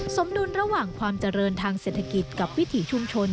สมดุลระหว่างความเจริญทางเศรษฐกิจกับวิถีชุมชน